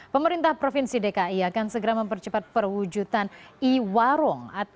pemerintah provinsi dki akan segera mempercepat perwujudan iwarong